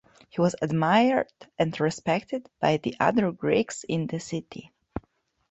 He was admired and respected by the other Greeks in the city.